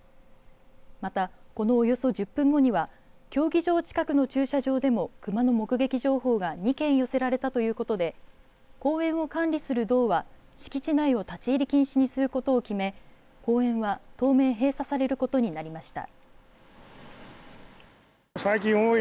また、このおよそ１０分後には競技場近くの駐車場でも熊の目撃情報が２件寄せられたということで公園を管理する道は敷地内を立ち入り禁止にすることを決め公園は当面閉鎖されることになりました。